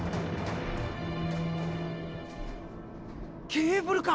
ケーブルか！